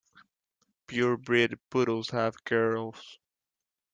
Pure bred poodles have curls.